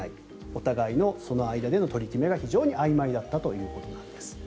お互いのその間での取り決めが非常にあいまいだったということです。